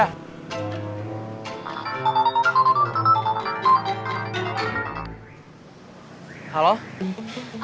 main kayak begitu